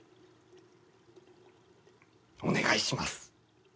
お願いします。